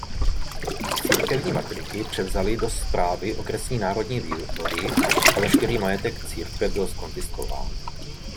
Církevní matriky převzaly do správy okresní národní výbory a veškerý majetek církve byl zkonfiskován.